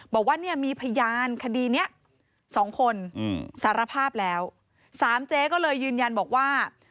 บอกว่ามีพยานคดีนี้๒คนสารภาพแล้ว๓เจ๊ก็เลยยืนยันบอกว่า